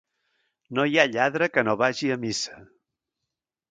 No hi ha lladre que no vagi a missa.